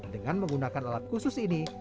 dengan menggunakan alat khusus ini